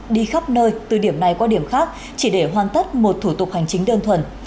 đi khắp nơi từ điểm này qua điểm khác chỉ để hoàn tất một thủ tục hành chính đơn thuần